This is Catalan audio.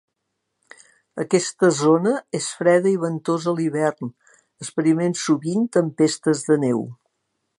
Aquesta zona és freda i ventosa a l'hivern, experiment sovint tempestes de neu.